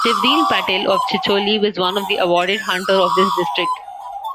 Shivdeen Patel of Chicholi Was one of the awarded Hunter of this district.